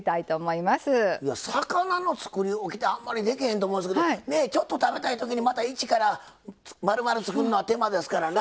いや魚のつくりおきってあんまりできへんと思うんですけどちょっと食べたい時にまた一からまるまる作るのは手間ですからな。